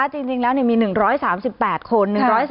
จริงแล้วเนี่ยมี๑๓๘คน